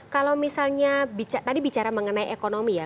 kalau misalnya tadi bicara mengenai ekonomi ya